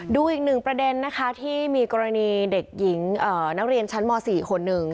ดูอีกหนึ่งประเด็นนะคะที่มีกรณีเด็กหญิงนักเรียนชั้นม๔คนหนึ่ง